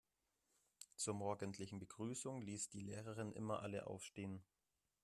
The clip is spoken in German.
Zur morgendlichen Begrüßung ließ die Lehrerin immer alle aufstehen.